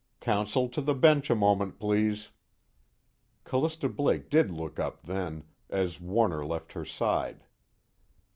Counsel to the bench a moment, please." Callista Blake did look up then, as Warner left her side.